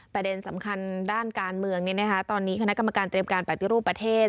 ประเด็นสำคัญด้านการเมืองตอนนี้คณะกรรมการเตรียมการปฏิรูปประเทศ